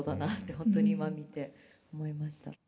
本当に今見て思いました。